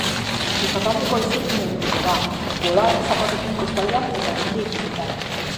Iparraldeko haize fina ibiliko da, bolada zakarrekin kostaldean eta mendi inguruetan.